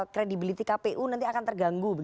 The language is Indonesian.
kredibility kpu nanti akan terganggu